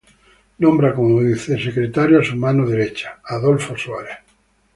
Nombra como Vicesecretario a su mano derecha, Adolfo Suárez.